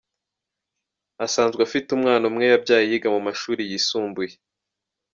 Asanzwe afite umwana umwe yabyaye yiga mu mashuri yisumbuye.